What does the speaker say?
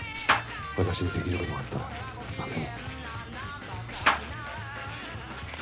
私にできることがあったら何でも。